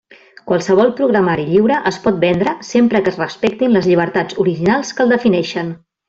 Qualsevol programari lliure es pot vendre sempre que es respectin les llibertats originals que el defineixen.